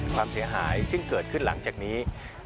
ความเสียหายซึ่งเกิดขึ้นหลังจากนี้